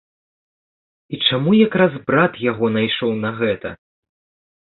І чаму якраз брат яго найшоў на гэта?